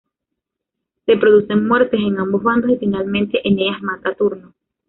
Se producen muertes en ambos bandos y, finalmente, Eneas mata a Turno.